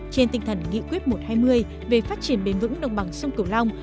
trên tinh thần nghị quyết một trăm hai mươi về phát triển bền vững đồng bằng sông cửu long